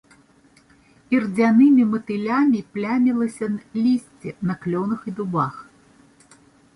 Ірдзянымі матылямі плямілася лісце на клёнах і дубах.